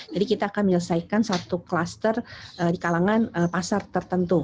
kita akan menyelesaikan satu kluster di kalangan pasar tertentu